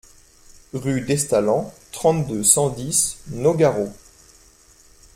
Rue d'Estalens, trente-deux, cent dix Nogaro